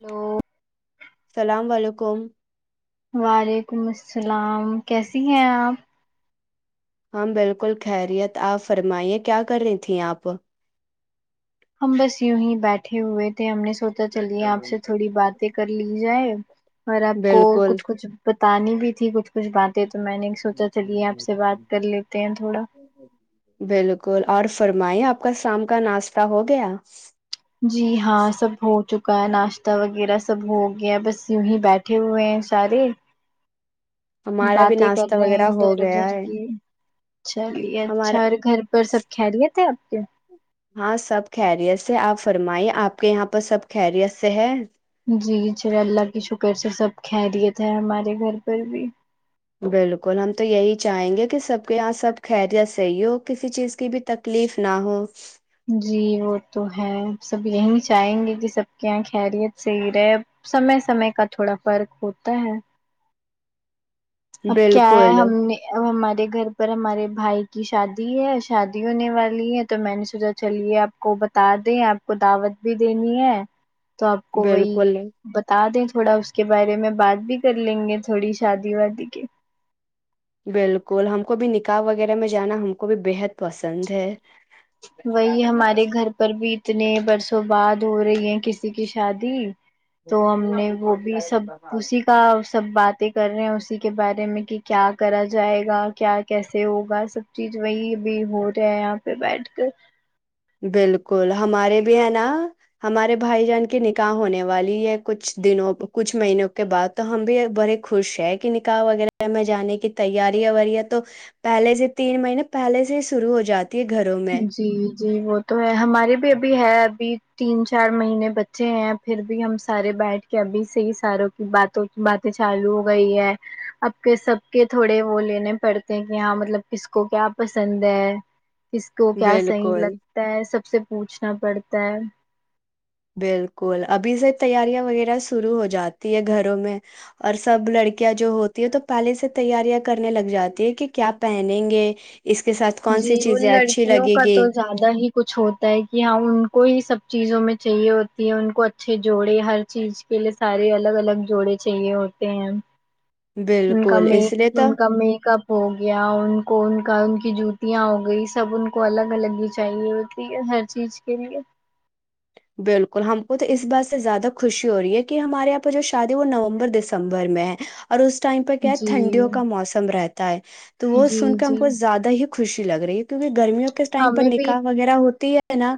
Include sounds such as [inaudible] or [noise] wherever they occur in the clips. hello السلام علیکم وعلیکم السلام کیسی ہیں آپ ہماں بالکل خیریت آپ فرمائیے کیا کر رہی تھیں آپ ہم بس یوں ہی بیٹھے ہوئے تھے ہم نے سوتا چلیے آپ سے تھوڑی باتیں کر لی جائے اور آپ کو بالکل کچھ کچھ تانی بھی تھی کچھ کچھ بات تو میں نے سوچا چلیے آپ سے کر لیتے ہیں تھوڑا بالکل اور فرمائیں آپ آ کا شام کا ناشتہ ہو گیا جی ہاں سب ہو چکا کا ناشتہ وغیرہ سب ہو گیا بس یوں ہی بیٹھے ہوئے ہیں سارے ہمارا بھی باتیں کر ناشتہ رہے وغیرہ ہیں ہو ادھر گیا ادھر ہے کی چلیے ہمارا اچھا اور گھر پر سب کھہ لیے تھے آپ اوکے ہاں سب خیریت سے آپ فرمائیے آپ کے یہاں پر سب خیریت سے ہے جی چلے اللہ کی شکر سے سب کہری تھے ہمارے گھر پر بھی بالکل ہم تو یہی چاہیں گے کہ سب کے یہاں سب خریت صحیح ہو کسی چیز کی بھی تکلیف نہ ہو جی وہ تو ہے سب یہی چاہیں گے کہ سب کے یہاں خیریت صحیح رہے اب سمے سمے کا تھوڑا فرق ہوتا ہے اب کیا ہے بالکل ہم نے ہمارے گھر پر ہمارے بھائی کی شادی ہے شادی ہونے والی ہے تو میں نے سوچا چلیے آپ کو بتا دیں آپ کو دعوت بھی دینی ہے تو آپ کو وہی بالکل بتا دیں تھوڑا اس کے بارے میں بات بھی کر لیں گے تھوڑی شادی وادی کے بالکل ہم کو بھی نکاح وغیرہ میں جانا ہم کو بھی بےحد پسند ہے وہی ہمارے گھر پر بھی اتنے برسوں بعد دھو رہی ہے کسی کی شادی تو ہم نے وہ بھی سب اسی کا سب باتیں کر رہے ہیں اسی کا کے بارے میں کہ کیا کرا جائے گا کیا کیسے ہوگا سب چیز وہی بھی ہو رہا ہے یہاں پہ بیھ کے بالکل ہمارے بھی ہے نا ہمارے بھائی جان کی نکاح ہونے والی ہے کچھ دنوں کچھ مہینوں کے بعد تو ہم بھی بڑے خوش ہے کہ نکاح وغیرہ میں جانے کی تیارییاںیریا تو پہلے سے تین مہینے پہلے سے ہی شروع ہو جاتے گھروں میں جی جی وہ تو ہے ہمارے بھی ابھی ہے ابھی تین چار مہینے بچے ہیں پھر بھی ہم سارے بیٹھ کے ابھی سے ہی ساروں کی باتوں کی باتیں چالو ہو گئی ہے اب کے سب کے تھوڑے وہ لینے پڑتے ہیں کہ یہاں مطلب کس کو کیا پسند ہے کس کو کیا صحیح بالکل لگتا ہے سب سے پوچھنا پڑتا تا بالکل ابھی سے تیاریاں وغیرہ شروع ہو جاتی ہے گھروں میں اور سب لڑکیاں جو ہوتی ہے تو پہلے سے تیاریاں کرنے لگ جاتی ہے کہ کیا پہنیں گے اس کے ساتھ کون جی سی ان چیزیں اچھی لڑکیوں لگے کا تو گی زیادہ ہی کچھ ہوتا ہے کہ ہاں ان کو ہی سب چیزوں میں چاہیے ہوتی ہے ان کو اچھے جوڑے ہر چیز کے لیے سارے الگ الگ جوڑے چاہیے ہوتے ہیں ان کا بالکل م اس لیے تو ان کا میک اپ ہو گیا ان کو ان کا ک جووت ں ہو گئی سب ان کو الگ الگ ہی چاہیے ہوتی ہر چیز کے لیے بالکل ہم کو تو اس بات سے زیادہ خوشی ہو رہی ہے کہ ہمارے یہاں پہ جو شادی وہ نومبر دسمبر میں ہے اور اس ٹائم پہ کیا ہے جی ٹھنڈیوں کا موسم رہتا ہے تو وہ جی سن کر جی ہم کو زیادہ ہی خوشی لگ رہی کیونکہ گرمیوں کس ٹائم پر ہمیں بھی نکاح وغیرہ ہوتی ہے ہے نا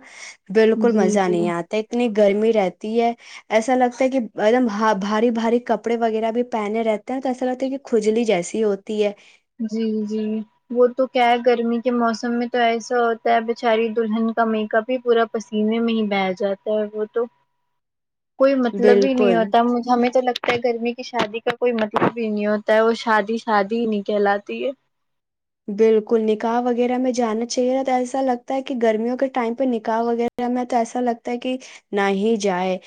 بالکل مز جی جی جانی آتا اتنی گرمی رہتی ہے ایسا لگتا ہے کہ ایک دم بھاری بھاری کپڑے وغیرہ بھی پہنے رہتے ہیں تو ایسا لگتا ہے کہ کھجلی جیسی ہوتی ہے جی جی وہ تو کیا ہے گرمی کے موسم مم میں تو ایسا ہوتا ہے بچاری دلہن کا میک اپ ہی پورا پسینےہ نہیں بہیا جاتا ہے وہ تو کوئی مطلب ہی نہیں بالکل ہوتا ہمیں تو لگ گرمی کی شادی کا کوئی مطلب ہی نہیں ہوتا ہے وہ شادی شادی نہیں کہلاتی ہے بالکل نکاح وغیرہ میں جانا چاہیےا تو ایسا لگتا ہے کہ گرمیوں کے ٹائم پہ نکاح وغیرہ میں تو ایسا لگتا ہے کہ نہ ہی جائے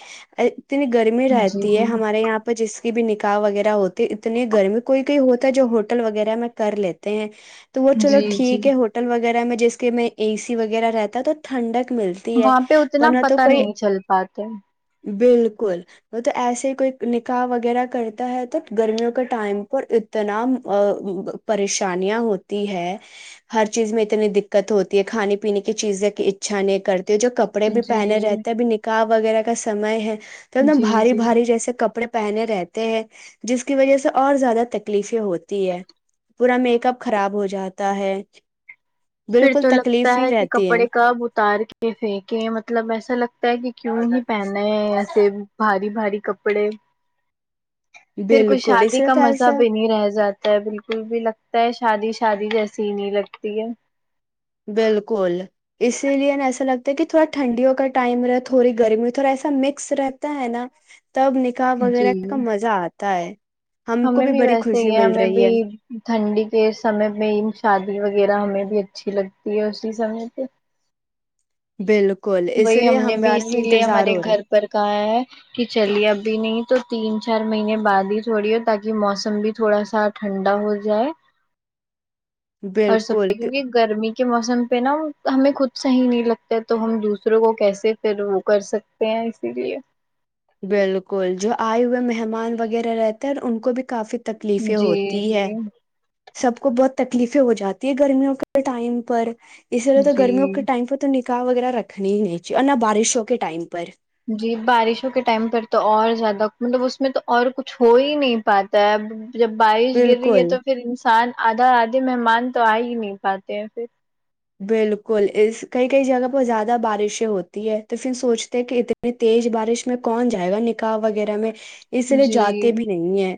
اتنی گرمی جی رہتی ہے ہمارے یہاں پہ جس بھی نکاح وغیرہ ہوتی اتنی گرمی کوئی کوئی ہوتا ہے جو ہوٹل وغیرہ میں کر لیتے ہیں تو وہ چلو جی جی ٹھیک ہے ہوٹل وغیرہ میں جس کے میں اے سی وغیرہ رہتا ہے تو ٹھنڈک ملتی ہے وہاں پہ اتنا ورنہ تو پتا کوئی نہیں چل پاتے بالکل تو ایسے ہی کوئی نکاح وغیرہ کرتا ہے تو گرمیوں کے ٹائم پر اتنا پریشانیاں ہوتی ہوتی ہے ہر چیز میں اتنی دقت ہوتی ہے کھانے پینے کی چیزیں کی اچھا نہیں کر جو کپڑے بھی پہنے جی رہتے ہیں ابھی نکاح وغیرہ کا سمے ہے تو ایک ن جی بھاری جی بھاری جیسے کپڑے پہنے رہتے ہیں جس کی وجہ سے اور زیادہ تکلیفیں ہوتی ہے پورا میک اپ خراب ہو جاتا ہے پھر بالکل تو لگتا تکلیف ہی ہے کہ رہتی کپڑے کب اتار کے پھینکے مطلب ایسا لگتا ہے کہ کیوں ہی پہننا ہے ایسے بھاری بھاری کپڑے پھر کچھ بالکل اس شادی لیے کا تو مزہ ایسا بھی نہیں رہ جاتا ہے بالکل بھی لگتا ہے شادی شادی جیسی ہی نہیں لگتی ہے بالکل اسی لیے نا ایسا لگتا ہے کہ تھوڑا ٹھنڈیوں کا ٹائم رہ تھوڑی گرمی میں تھوڑا ایسا مکس رہتا ہے نا تب نکاح وغیرہ جی کا مزہ آتا [unintelligible] کو ہمیں بھی بڑی ویسے خوشی ہی ہے مل ہمیں رہی بھی ہے ٹھنڈی کے سمے میں شادی وغیرہ ہمیں یہ اچھی لگتی ہے اسی سمے پہ بالکل اسی وہی لیے ہم نے بھی ہمارا اسی لیے انتظار ہمارے ہو رہا گھر پر کہا ہے کہ چلیے ابھی نہیں تو تین چار مہینے بعد ہی تھوڑی ہو تاکہ موسم بھی تھوڑا سا ٹھنڈا ہو جائے ہے اور سب بالکل پہ کیونکہ کیوں- گرمی کے موسم پہ نا ہمیں خود صحیح نہیں لگتا تو ہم دوسروں کو کیسے پھر وہ کر سکتے ہیں اسی لیے بالکل جو آئے ہوئے مہمان وغیرہ رہتے ہیں ان کو بھی کافی تکلیفیں جی ہوتی ہیں جی سب کو بہت تکلیفیں ہو جاتی ہے گرمیوں کے ٹائم پر اس سرو تو گرمیوں جی ائم پتوں ا وغیرہ رکھنی ہی نہیں چیے اور نہ بارشوں کے ٹائم پر جی بارشوں کے ٹائم پر تو اور زیادہ مطلب اس میں تو اور کچھ ہو ہی نہیں پاتا ہے اب جب بارش گر رہی ہے بالکل تو پھر انسان آدھا آدے مہمان تو آ ہی نہیں پاتے ہیں پھر بالکل اس کئی کئی جگہ پر زیادہ بارشیں ہوتی ہے تو پھر سوچتے ہیں کہ اتنی تیز بارش میں کون جائے گا نکاح وغیرہ میں اس لیے جی جاتے بھی نہیں ہے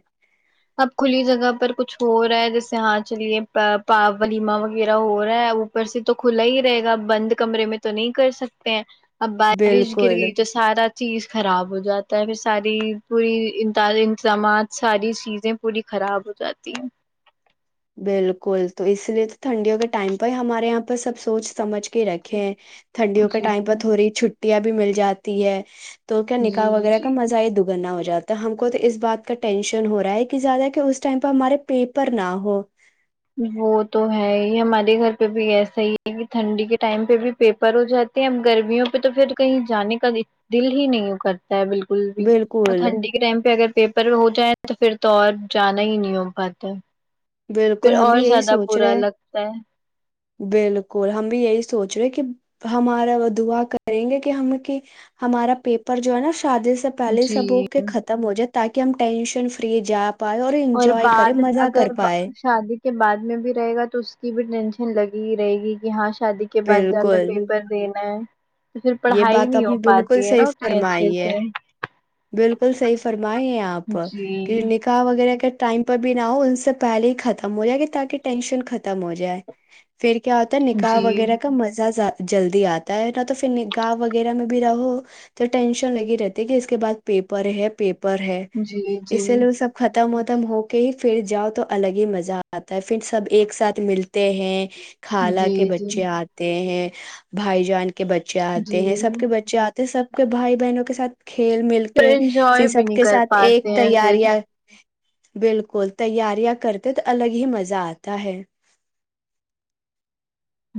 اب کھلی جگہ پر کچھ ہو رہا ہے جیسے جی سے ہاں چلیے پا ولیما وغیرہ ہو رہا ہے اوپر سے تو کھلا ہی رہے گا بند کمرے میں تو نہیں کر سکتے ہیں اب بارش گر بالکل گئی تو سارا چیز خراب ہو جاتا ہے پھر ساری پوری انتظامات ساری چیزیں پوری خراب ہو جاتی ہیں بالکل تو اس لیے تو ٹھنڈیوں کے ٹائم پہ ہی ہمارے یہاں پہ سب سوچ سمجھ رکھیں ٹنڈیوں کے جی ٹائم پر تھ ہوڑی چ چٹیاں بھی مل جاتی ہے تو کیا نکاح جی وغیرہ کا جی مزہ ہی د گگننا ہو جاتا ہم کو تو اس بات کا ٹینشن ہو رہا ہے کہ زیادہ کہ اس ٹائم پہ ہمارے پیپر نہ ہو [unintelligible] وہ تو ہے یہ ہمارے گھر پہ بھی ایسا ہی ہے کہ ٹھنڈی کے ٹائم پہ بھی پیپر ہو جاتے ہیں اب گرمیوں پہ تو پھر کہیں جانے کا دل ہی نہیں کرتا بالکل بھی اور بالکل ٹھنڈی کے ٹائم پہ اگر پیپر ہو جائےیں تو پھر تو جانا ہی نہیں ہو پتا بالکل پھر ہم اور بھی یہی زیادہ سوچ برا رہے لگتا ہے بالکل ہم بھی یہی سوچ رہے کہ ہمارا وہ دعا کریں گے کہ ہم کہ ہمارا پیپر جو ہے نا شادی سے پہلے سب ہو جی کے ختم ہو جاتے تاکہ ہم ٹنشن فری جپ اور بعد اگر شادی کے بعد میں بھی رہے گا تو اس کی بھی ٹینشن لگی رہے گی کہ ہاں شادی کے بعد جا کر بالکل پیپر دینا ہے تو پھر یہ پڑھائی بات نہیں آپ ہو نے بالکل پاتی ہے صحیح نا اتنی اچھے فرمائی ہے سے بالکل صحیح فرمائی ہیں آپ کہ جی نکاح وغیرہ ٹائم پر بھی نہ ہو ان سے پہلے ہی ختم ہو جائے گی تاکہ ٹینشن ختم ہو جائے پھر کیا ہوتا ہے نکاح جی وغیرہ کا مزہ ات جلدی آتا ہے نہ تو پھر گا وغیرہ میں بھی رہو تو ٹینشن لگی رہتی کہ اس کے بعد پیپر ہے پ پر ہے جی جی اسی لیے وہ سب ختم ہوتا ختم ہو کے ہی پھر جاؤ تو الگ ہی مزہ آتا ہے پھر سب ایک ساتھ ملتے ہیں خالہ کے جی جی بچے آتے ہیں بھائی جان کے بچے ہیں جی سب کے بچے آ سب کے بھائی بہنوں کے ساتھ کھیل مل پھر کے انجوائے پھر بھی سب نہیں کے کر ساتھ ایک پاتے ہیں پھر تیاریاں بالکل تیاریاں کرتے تو الگ ہی مزہ آتا ہے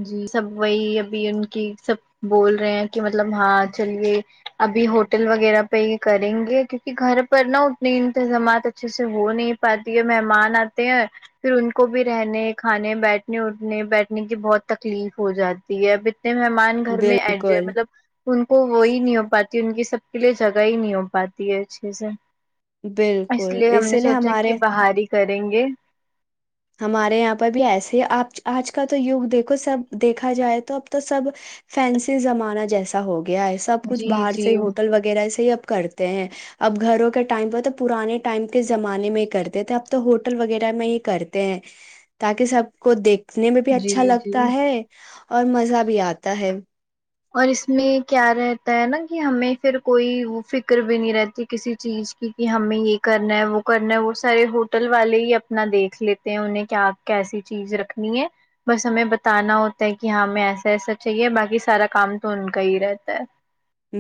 جی سب وہی ابھی ان کی سب بول رہے ہیں کہ مطلب ہاں چلیے ابھی ہوٹل وغیرہ پہ یہ کریں گے کیونکہ گھر پر نا اتنے انتظامات اچھے سے ہو نہیں پاتے ہے مہمان آتے ہیں پھر ان کو بھی رہنے کھانے بیٹھنے اٹھنے بیٹھنے کی بہت تکلیف ہو جاتی ہے ب مہمان گھر میں ایڈ ج بالکل مطلب ان کو وہی نہیں ہو پاتا ان کی سب کے لیے جگہ ہی نہیں ہو پاتی ہے ا چیزیں بالکل اس لیے ہمارے سریں گے ہمارے یہاں پر بھی ایسے ہی آپ آج کا تو یگ دیکھو سب دیکھا جائے تو اب تو سب فینسی زمانہ جیسا ہوگا گیا ہے سب کچھ جی باہر سے جی ہوٹل وغیرہ سے ہی کرتے ہیں اب گھروں کے ٹائم پہ تو پرانے ٹائم کے زمانے میں ہی کرتے تھے اب تو ہوٹل وغیرہ میں ہی کرتے ہیں تاکہ سب کو دیکھ دیککھنے میں بھی اچھا جی جی لگتا ہے اور مزہ بھی آتا ہے اور اس میں کیا رہتا ہے نا کہ ہمیں پھر کوئی فکر بھی نہیں رہتی کسی چیز کی کہ ہمیں یہ کرنا ہے وہ کرنا ہے وہ سارے ہوٹل والے ہی اپنا دیکھ لیتے ہیں انہیں کہ آپ کی ایسی چیز رکھنی ہے بس ہمیں بتانا ہوتا ہے کہ ہماں ہمیں ایسا ایسا چاہیے باقی سارا کام تو ان کا ہی رہتا ہے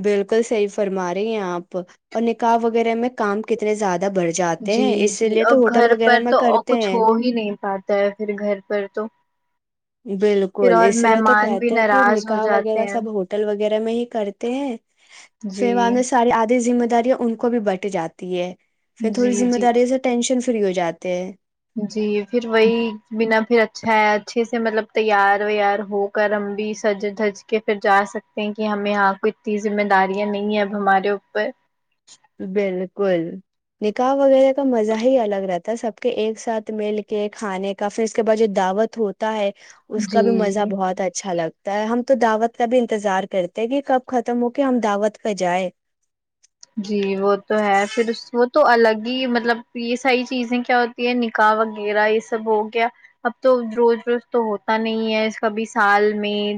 بالکل صحیح فرما رہی ہیں آپ اور نکاح وغیرہ میں کام کتنے زیادہ بڑھ جاتے جی ہیں اسی جی لیے تو اور ہوٹل گھر وغیرہ پر میں تو کرتے کچھ ہیں ہو ہی نہیں پاتا ہے پھر گھر پر تو پھر بالکل اور اس لیے تو مہمان بھی کہتے ہیں کہ ناراض ہو نکاح جاتے وغیرہ ہیں سب ہوٹل وغیرہ میں ہی کرتے ہیں پھر وہاں جی نے ساری آدھی مت د ان کو بھی بٹ جاتی ہے پھر جی تھوڑیذم جی داری ہے س سے ٹشن ری ہو جاتے ہیں جی پھر وہی بنا پھر اچھ ہے اچھے سے مطلب تیار ویار ہو کر ہم بھی سج دج کے پھر جا سکتے ہیں کہ ہمیں یہاں کو اتنی ذمہ داریاں نہیں ہے اب ہمارے اوپر بالکل نکاح وغیرہ کا مزہ ہی الگ رہتا ہے سب کے ایک ساتھ مل کے کھانے کا پھر اس کے بعد جو دعوت ہوتا ہے اس کا جی بھی مزہ جی بہت اچھا لگتا ہے ہم تو دعوت کا بھی انتظار کرتے ہیں کہ کب ختم ہو کے ہم دعوت پ جائے جی وہ تو ہے پھر وہ تو الگ ہی مطلب یہ ساری چیزیں کیا ہوتی ہے نکاح وغیرہ یہ سب ہو گیا اب تو روز روز تو ہوتا نہیں ہے کبھی سال میں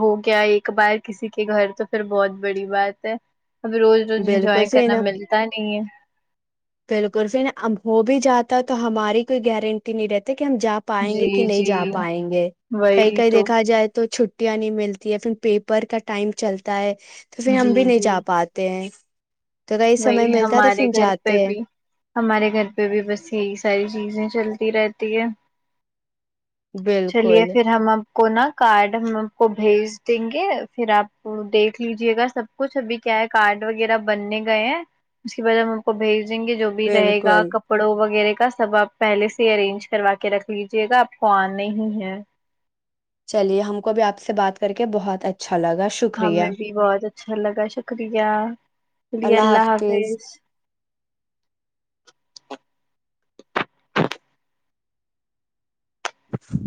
ہو گیا ایک بار کسی کے گھر تو پھر بہت بڑی بات ہے ابھی روز روج کر ہے ن پہل کرس ن ہو بھی جاتا تو ہماری کوئی گارنٹی نہیں رہتی کہ ہم جا پائیں گے کہ جی نہیں جا جی پائیں گے کہیں وہی کہیں تو دیکھا جائے تو چ چھٹیاں نہیں ملتی ہے پھر پیپر کا ٹائم چلتا ہے تو پھر جی ہم بھی نہیں جی جا پاتے ج وہی ہمارے گھر پہ ہیں بھی ہمارے گھر پہ بھی بس یہی ساری چیزیں چلتی رہتی ہے چلیے بالکل پھر ہم اب کو نا کارڈ ہم آ کو بھیج دیں گے پھر آپ دیکھ لیجیے گا سب کچھ ابھی کیا ہے کارڈ وغیرہ بننے گئے ہیں اس کی وجہ میں ان کو بھیج جو بھی رہے گا بالکل کپڑوں وغیرہ سب آپ پہلے سے ارینج کروا کے رکھ لیجے گا آپ کو آنا ہی ہے چلیے ہم کو بھی آپ سے بات کر کے بہت اچھا لگا شکریہ ہمیں بھی بہت اچھا لگا شکریہ شے اللہ حافظ چ